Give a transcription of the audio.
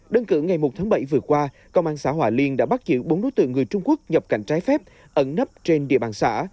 đơn cử ngày một tháng bảy vừa qua công an xã hòa liên đã bắt giữ bốn đối tượng người trung quốc nhập cảnh trái phép ẩn nấp trên địa bàn xã